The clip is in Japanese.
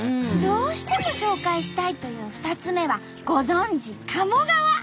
どうしても紹介したいという２つ目はご存じ鴨川！